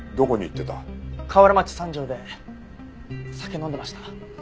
河原町三条で酒飲んでました。